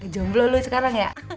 jomblo lo sekarang ya